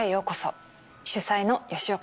主宰の吉岡里帆です。